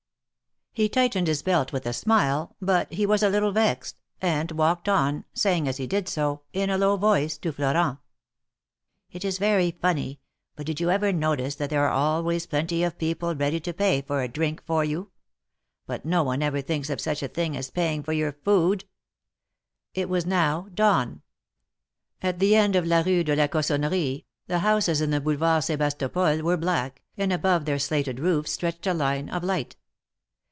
He tightened his belt with a smile, but he was a little vexed, and walked on, saying as he did so, in a low voice, to Florent : '^It is very funny, but did you ever notice that there are always plenty of people ready to pay for a drink for you? But no one ever thinks of such a thing as paying for your food !" It was now dawn. At the end of la Rue de la Cosson nerie, the houses in the Boulevard Sebastopol were black, and above their slated roofs stretched a line of light.